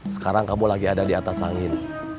sekarang kamu lagi ada di atas angin